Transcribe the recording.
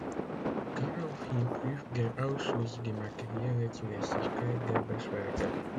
Daraufhin prüft der Ausschuss die materielle Zulässigkeit der Beschwerde.